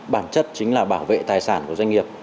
bản chất chính là bảo vệ tài sản của doanh nghiệp